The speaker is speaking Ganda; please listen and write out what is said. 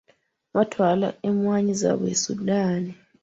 Baatwala emmwanyi zaabwe e Sudan.